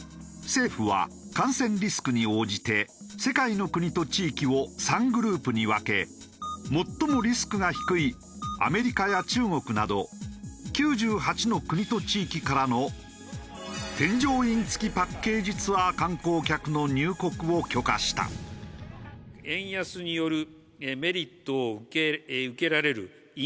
政府は感染リスクに応じて世界の国と地域を３グループに分け最もリスクが低いアメリカや中国など９８の国と地域からの添乗員付きパッケージツアー観光客の入国を許可した。と考えます。